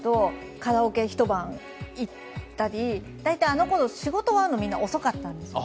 カラオケ一晩行ったり、大体あのころ仕事が終わるのがみんな遅かったんです。